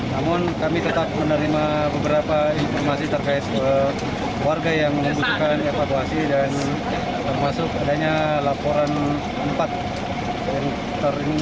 namun kami tetap menerima beberapa informasi terkait warga yang membutuhkan evakuasi dan termasuk adanya laporan empat helikopter ini